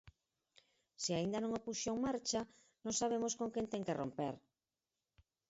Se aínda non o puxo en marcha, non sabemos con quen ten que romper.